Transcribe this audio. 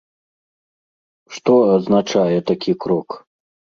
Што азначае такі крок?